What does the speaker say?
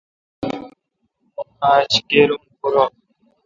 آج کیر اؙن پورہ۔